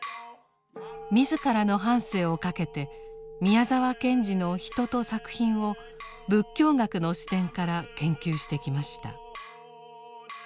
自らの半生をかけて宮沢賢治の人と作品を仏教学の視点から研究してきました。